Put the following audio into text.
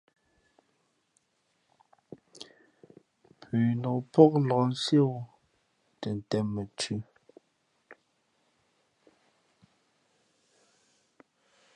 Pʉnok pók nlak siēwū tα tēn mα thʉ̄.